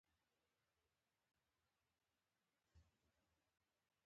د اجاره دارۍ له تکلیف څخه معاف وي.